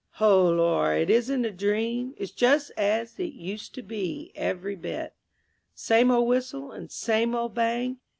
_Ho Lor, it isn't a dream, It's just as it used to be, every bit; Same old whistle and same old bang.